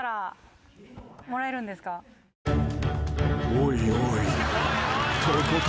［おいおい］